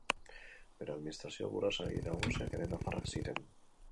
Bere administrazio buruzagi nagusiak ere nafarrak ziren.